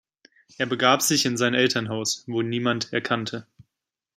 Er begab sich in sein Elternhaus, wo ihn niemand erkannte.